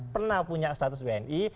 pernah punya status wni